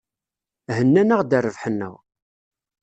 Hennan-aɣ-d rrbeḥ-nneɣ.